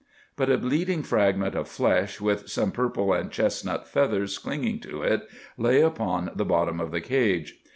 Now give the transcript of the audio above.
But a bleeding fragment of flesh, with some purple and chestnut feathers clinging to it, lay upon the bottom of the cage.